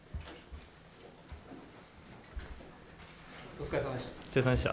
お疲れさまでした。